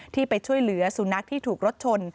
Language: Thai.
ที่ไปช่วยเหลือสุนัขที่ถูกรถชน